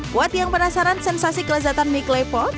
buat yang penasaran sensasi kelezatan mie clay pot